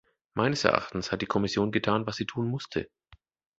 Meines Erachtens hat die Kommission getan, was sie tun musste.